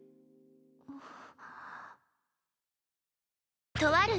あっ。